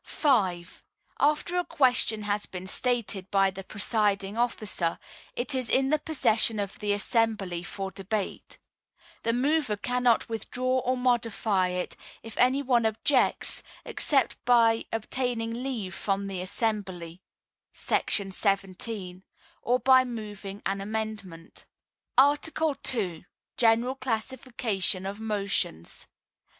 5. After a question has been stated by the presiding officer, it is in the possession of the assembly for debate; the mover cannot withdraw or modify it, if any one objects, except by obtaining leave from the assembly [§ 17], or by moving an amendment. Art. II. General Classification of Motions.